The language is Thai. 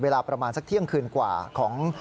เวลาประมาณสักเที่ยงคืนกว่าของ